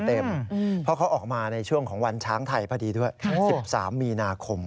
เพราะเขาออกมาในช่วงของวันช้างไทยพอดีด้วย๑๓มีนาคม